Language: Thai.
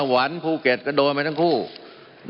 มันมีมาต่อเนื่องมีเหตุการณ์ที่ไม่เคยเกิดขึ้น